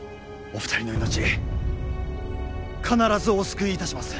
お二人の命必ずお救いいたします。